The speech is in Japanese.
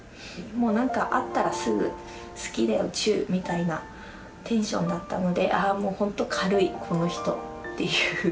もう何か会ったらすぐ好きだよチューみたいなテンションだったので「あもう本当軽いこの人」っていう。